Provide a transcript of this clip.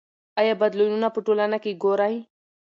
آیا بدلونونه په ټولنه کې ګورئ؟